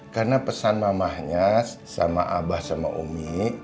karena pesan mamahnya sama abah sama umi